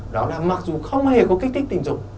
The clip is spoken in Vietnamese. đó là mặc dù không hề có kích thích tình dục